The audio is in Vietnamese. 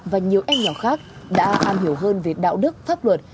và nhiều em nhỏ khác đã am hiểu hơn về đạo đức pháp luật